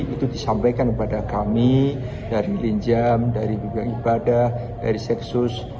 itu disampaikan kepada kami dari linjam dari bpn ibadah dari seksus